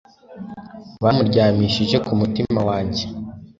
bamuryamishije ku mutima wanjye